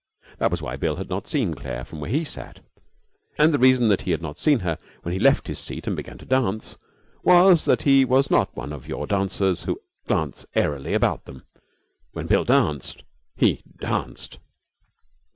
That was why Bill had not seen Claire from where he sat; and the reason that he had not seen her when he left his seat and began to dance was that he was not one of your dancers who glance airily about them. When Bill danced he danced.